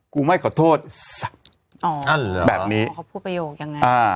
กูไม่ขอโทษสับแบบนี้อ๋อเขาพูดประโยคยังไงอ่า